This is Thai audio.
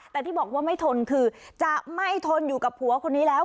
แต่ที่บอกว่าไม่ทนคือจะไม่ทนอยู่กับผัวคนนี้แล้ว